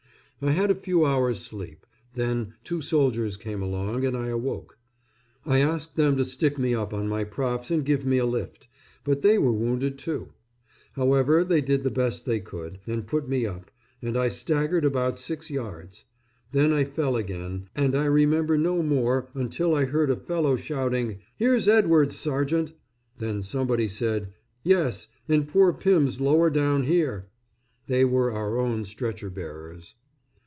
I had a few hours' sleep; then two soldiers came along and I awoke. I asked them to stick me up on my props and give me a lift; but they were wounded, too. However, they did the best they could, and put me up, and I staggered about six yards. Then I fell again, and I remember no more until I heard a fellow shouting, "Here's Edwards, sergeant!" Then somebody said, "Yes and poor Pymm's lower down here." They were our own stretcher bearers.